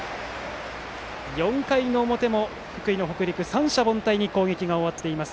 ４回の表も福井の北陸、攻撃が三者凡退に終わっています。